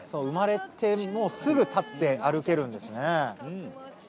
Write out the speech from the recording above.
生まれてすぐ立って歩けるんですね。